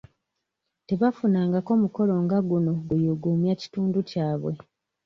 Tebafunangako mukolo nga guno guyugumya kitundu kyabwe.